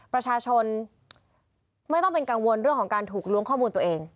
ประชาชนไม่ต้องเป็นกังวลเรื่องของการถูกล้วงข้อมูลตัวเอง